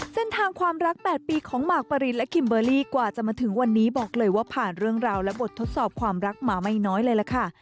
ความรัก๘ปีของหมากปรินและคิมเบอร์รี่กว่าจะมาถึงวันนี้บอกเลยว่าผ่านเรื่องราวและบททดสอบความรักมาไม่น้อยเลยล่ะค่ะ